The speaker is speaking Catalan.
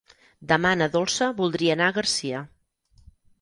Demà na Dolça voldria anar a Garcia.